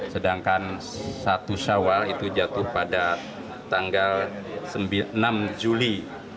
sedangkan satu syawal itu jatuh pada tanggal enam juli dua ribu dua puluh